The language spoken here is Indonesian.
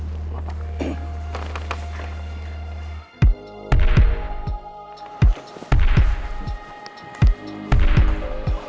jadi kayaknya bakal kekembangan